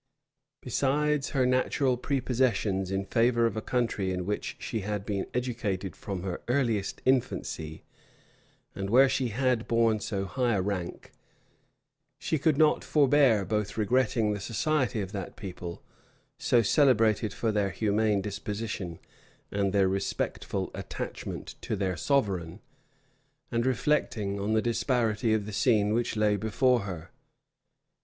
Besides her natural prepossessions in favor of a country in which she had been educated from her earliest infancy, and where she had borne so high a rank, she could not forbear both regretting the society of that people, so celebrated for their humane disposition and their respectful attachment to their sovereign, and reflecting on the disparity of the scene which lay before her.